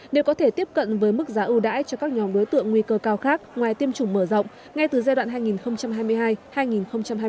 nếu có thể tiếp cận với mức giá ưu đãi cho các nhóm đối tượng nguy cơ cao khác ngoài tiêm chủng mở rộng ngay từ giai đoạn hai nghìn hai mươi hai hai nghìn hai mươi năm